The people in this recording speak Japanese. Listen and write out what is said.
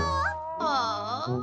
ああ。